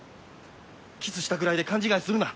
キスしたぐらいで勘違いするな。